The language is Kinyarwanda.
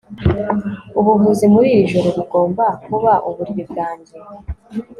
Ubuvuzi muri iri joro bugomba kuba uburiri bwanjye